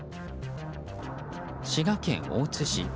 滋賀県大津市。